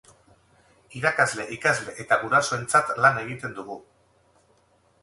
Irakasle, ikasle eta gurasoentzat lan egiten dugu.